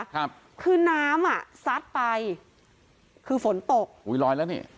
ครับคือน้ำอ่ะซัดไปคือฝนตกอุ้ยลอยแล้วนี่